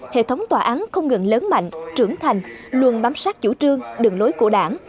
hệ thống tòa án không ngừng lớn mạnh trưởng thành luôn bám sát chủ trương đường lối của đảng